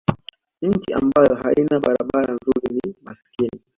nchi ambayo haina barabara nzuri ni masikini